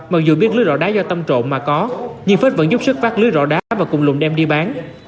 mặc dù biết lưới rõ đá do tâm trộn mà có nhưng phết vẫn giúp sức phát lưới rõ đá và cùng lùng đem đi bán